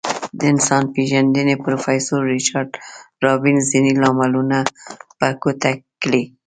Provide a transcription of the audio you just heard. د انسان پیژندنې پروفیسور ریچارد رابینز ځینې لاملونه په ګوته کړي.